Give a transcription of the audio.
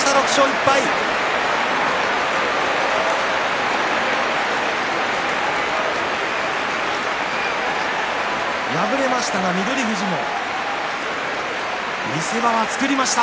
敗れました翠富士もしかし見せ場は作りました。